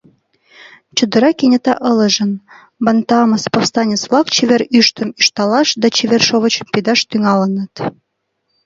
Чодыра кенета ылыжын: Бантамысе повстанец-влак чевер ӱштым ӱшталаш да чевер шовычым пидаш тӱҥалыныт.